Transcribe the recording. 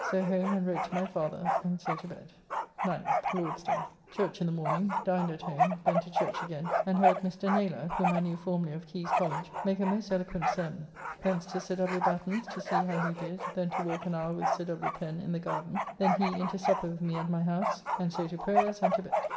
So home and wrote to my father, and so to bed. 9th (Lord's day). Church in the morning: dined at home, then to Church again and heard Mr. Naylor, whom I knew formerly of Keye's College, make a most eloquent sermon. Thence to Sir W. Batten's to see how he did, then to walk an hour with Sir W. Pen in the garden: then he in to supper with me at my house, and so to prayers and to bed.